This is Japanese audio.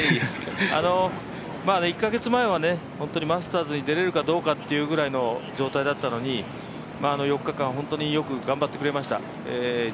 １カ月前は、本当にマスターズに出れるかどうかという状態だったのに４日間本当によく頑張ってくれました。